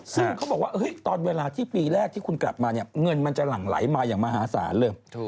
ซึ่งเขาบอกว่าตอนเวลาที่ปีแรกที่คุณกลับมาเนี่ยเงินมันจะหลั่งไหลมาอย่างมหาศาลเลย